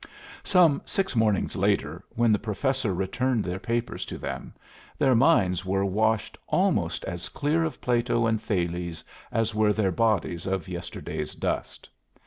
Some six mornings later, when the Professor returned their papers to them, their minds were washed almost as clear of Plato and Thales as were their bodies of yesterday's dust.